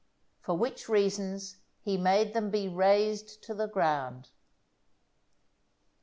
For which reasons he made them be razed to the ground.